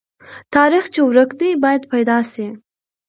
تاریخ چې ورک دی، باید پیدا سي.